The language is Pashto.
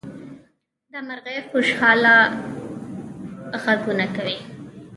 دا مرغۍ خوشحاله غږونه کوي.